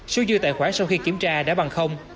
số dư tài khoản sau khi kiểm tra đã bằng